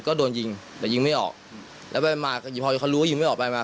ก็โดนยิงแต่ยิงไม่ออกแล้วไปมาพอเขารู้ว่ายิงไม่ออกไปมา